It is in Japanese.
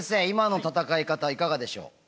今の戦い方いかがでしょう？